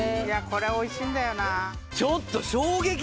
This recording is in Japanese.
これおいしいんだよな